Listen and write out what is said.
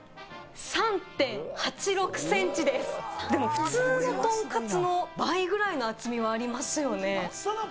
普通のとんかつの倍ぐらいの厚みはありますよね。